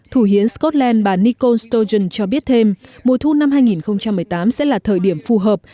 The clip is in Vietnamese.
thủ hiến scotland bà nikol stolzen cho biết thêm mùa thu năm hai nghìn một mươi tám sẽ là thời điểm phù hợp